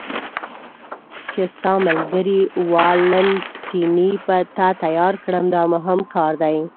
چې تا ستا ملګري والنتیني ته تیار کړم، دا مهم کار دی.